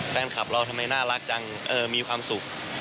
แฟนคลับเราทำไมน่ารักจังมีความสุข